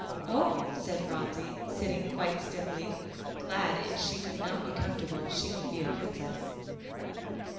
"Oh!" said Phronsie, sitting quite stiffly, glad if she could not be comfortable, she could be a princess.